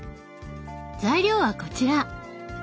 材料はこちら。